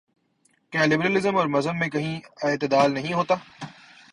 کیا liberalism اور مذہب میں کہیں اعتدال نہیں ہوتا؟